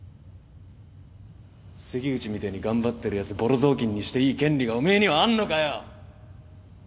関口みてえに頑張ってるやつボロ雑巾にしていい権利がおめえにはあんのかよ？